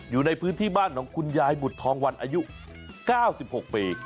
อยู่ในพื้นที่บ้านของคุณยายบุตรทองวันอายุ๙๖ปี